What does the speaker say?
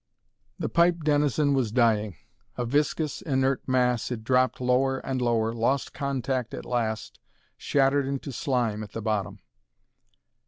The pipe denizen was dying. A viscous, inert mass, it dropped lower and lower, lost contact at last, shattered into slime at the bottom.